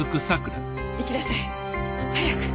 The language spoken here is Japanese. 行きなさい早く！